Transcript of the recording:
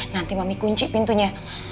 nanti mami kunci pintunya